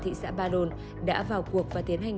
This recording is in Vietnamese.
thị xã ba đồn đã vào cuộc và tiến hành